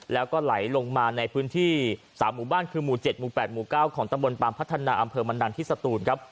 แล้วก็ไหลลงมาในพื้นที่๓หมู่บ้านคือหมู่๗หมู่๘หมู่๙ของตำบลปามพัฒนาอำเภอมันดันที่สตูนครับ